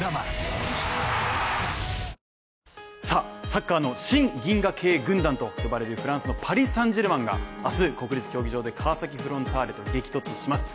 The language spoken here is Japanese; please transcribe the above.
サッカーの新銀河系軍団と呼ばれるフランスのパリ・サン＝ジェルマンが明日国立競技場で川崎フロンターレと激突します。